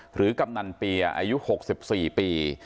กำนันเปียอายุ๖๔ปี